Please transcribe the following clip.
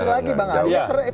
satu lagi bang alia